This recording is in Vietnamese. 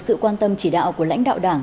sự quan tâm chỉ đạo của lãnh đạo đảng